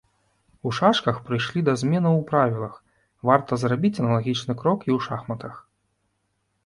У шашках прыйшлі да зменаў у правілах, варта зрабіць аналагічны крок і ў шахматах.